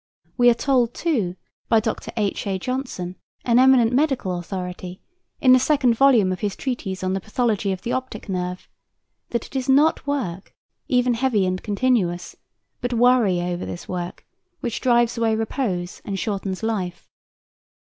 We are told, too, by Dr. H.A. Johnson, an eminent medical authority, in the second volume of his treatise on the pathology of the optic nerve, that it is not work, even heavy and continuous, but worry over this work, which drives away repose and shortens life.